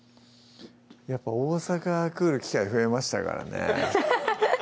やっぱ大阪来る機会増えましたからね